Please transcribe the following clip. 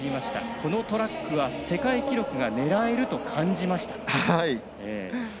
このトラックは世界記録が狙えると感じましたと。